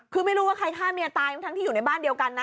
คือไม่รู้ว่าใครฆ่าเมียตายทั้งที่อยู่ในบ้านเดียวกันนะ